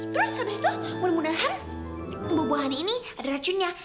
terus habis itu mudah mudahan buah buahan ini ada racunnya